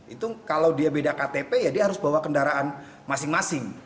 itu kalau dia beda ktp ya dia harus bawa kendaraan masing masing